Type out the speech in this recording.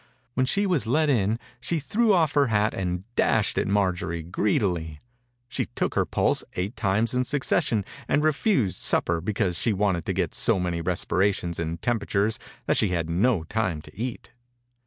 When she was let in she threw off her hat and dashed at Mar jorie greedily. She took her pulse eight times in succession and refused supper because she wanted to get so many respira tions and temperatures that she had no time to eat.